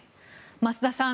増田さん